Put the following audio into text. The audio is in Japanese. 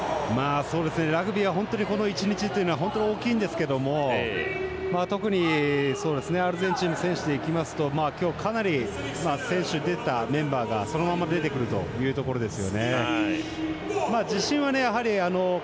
ラグビーはこの１日が本当に大きいんですが特に、アルゼンチンの選手でいきますと、今日かなり先週出たメンバーがそのまま出てくるんですよね。